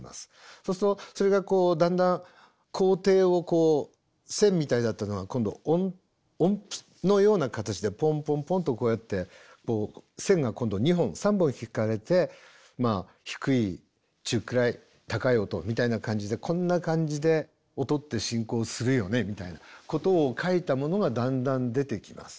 そうするとそれがこうだんだん高低をこう線みたいだったのが今度音符のような形でポンポンポンとこうやって線が今度２本３本引かれてまあ低い中くらい高い音みたいな感じでこんな感じで音って進行するよねみたいなことを書いたものがだんだん出てきます。